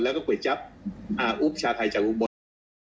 แล้วก็ก๋วยจั๊บอุ๊บชาไทยจากกรุงบน